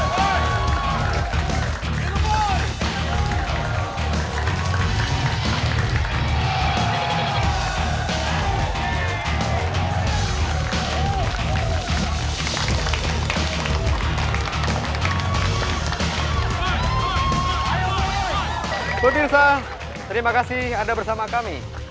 putri rissa terima kasih ada bersama kami